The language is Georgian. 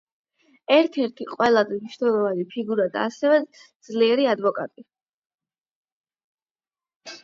ერთ-ერთი ყველაზე მნიშვნელოვანი ფიგურა და ასევე ძლიერი ადვოკატი.